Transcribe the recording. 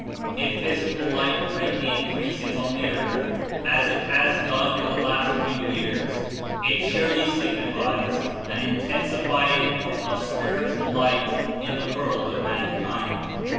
If physical light greatly increases on the earth, as It has done In the last few years, It sure ly signifies an Intensifying of Spiritual light In the world of mankind.